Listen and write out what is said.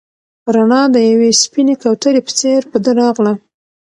رڼا د یوې سپینې کوترې په څېر په ده راغله.